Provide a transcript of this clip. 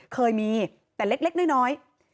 เคยมีแต่เล็กน้อย